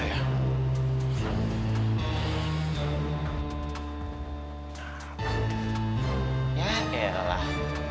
ya kayaknya lelah